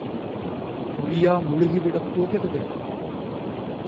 குடியா முழுகிவிடப் போகிறது?